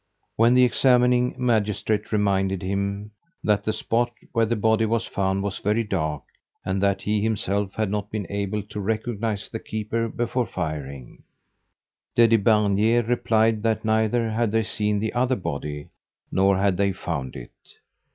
When the examining magistrate reminded him that the spot where the body was found was very dark and that he himself had not been able to recognise the keeper before firing, Daddy Bernier replied that neither had they seen the other body; nor had they found it.